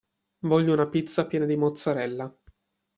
Voglio una pizza piena di mozzarella